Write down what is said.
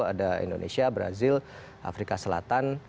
ada indonesia brazil afrika selatan